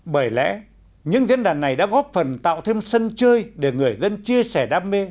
bởi lẽ những diễn đàn này đã góp phần tạo thêm sân chơi để người dân chia sẻ đam mê